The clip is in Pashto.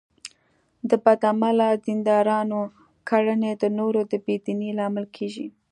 د بد عمله دیندارانو کړنې د نورو د بې دینۍ لامل کېږي.